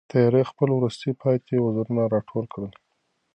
تیارې خپل وروستي پاتې وزرونه را ټول کړل.